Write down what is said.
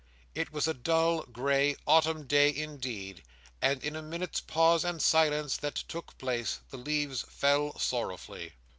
It was a dull, grey, autumn day indeed, and in a minute's pause and silence that took place, the leaves fell sorrowfully.